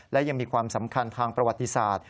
และยังมีความสำคัญทางประวัติศาสตร์